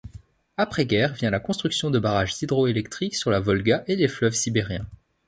Après-guerre vient la construction de barrages hydro-électriques sur la Volga et les fleuves sibériens.